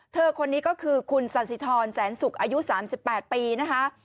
เธอคนนี้ก็คือคุณสันสิทรแสนสุกอายุ๓๘ปีนะคะ